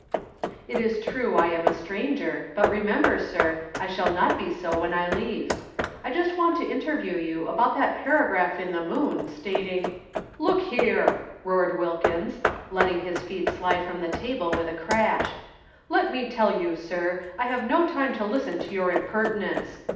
"It is true I am a stranger, but remember, sir, I shall not be so when I leave. I just want to interview you about that paragraph in the Moon, stating " "Look here!" roared Wilkins, letting his feet slide from the table with a crash. "Let me tell you, sir, I have no time to listen to your impertinence.